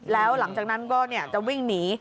แล้วหลังจากนั้นก็จะวิ่งหนี